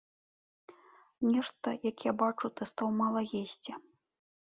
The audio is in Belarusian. Нешта, як я бачу, ты стаў мала есці.